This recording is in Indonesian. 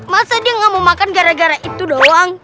masa dia gak mau makan gara gara itu doang